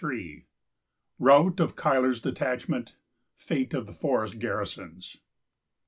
ROUT OF CUYLER'S DETACHMENT.——FATE OF THE FOREST GARRISONS.